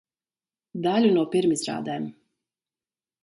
Daļu no pirmizrādēm.